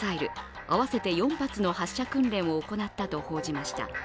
巡航ミサイル合わせて４発の発射訓練を行ったと発表しました。